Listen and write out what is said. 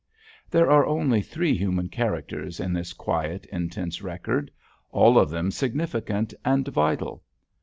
There are only three human characters in this quiet, intense record, all of them significant and vital.